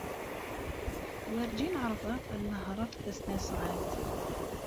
Werǧin ɛerḍeɣ ad nehreɣ taynasɣalt.